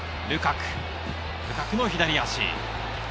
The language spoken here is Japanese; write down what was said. ルカクの左足。